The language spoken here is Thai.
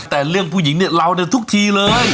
แต่เรื่องผู้หญิงเนี่ยเราเนี่ยทุกทีเลย